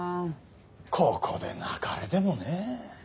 ここで泣かれてもねえ。